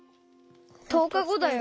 １０日ごだよ。